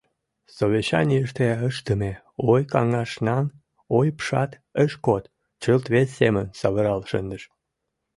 Совещанийыште ыштыме ой-каҥашнан ойыпшат ыш код: чылт вес семын савырал шындыш.